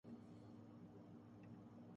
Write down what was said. یہ وحی کا تقاضا ہے۔